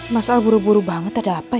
mas al buru buru banget ada apa ya